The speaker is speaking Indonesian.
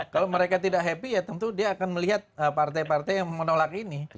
kalau mereka tidak happy ya tentu dia akan melihat partai partai yang menolak ini